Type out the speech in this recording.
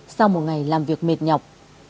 sau một ngày làm việc mệt nhọc